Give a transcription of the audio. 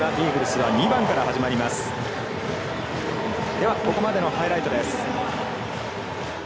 では、ここまでのハイライトです。